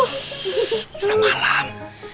shhh sudah malam